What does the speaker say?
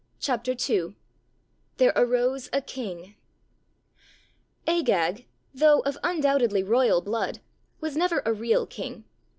246 THERE AROSE A KING Agag, though of undoubtedly royal blood, was never a real king.